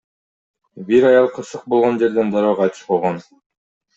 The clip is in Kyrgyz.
Бир аял кырсык болгон жерден дароо кайтыш болгон.